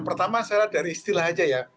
pertama saya dari istilah saja ya